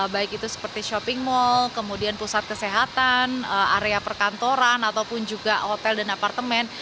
baik itu seperti shopping mall kemudian pusat kesehatan area perkantoran ataupun juga hotel dan apartemen